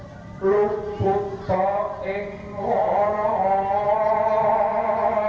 kepada yang maha kuasa